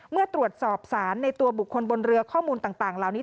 เมื่อตรวจสอบสารในตัวบุคคลบนเรือข้อมูลต่างเหล่านี้